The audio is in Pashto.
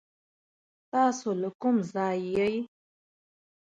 تاسو دا کوم ځای يي ؟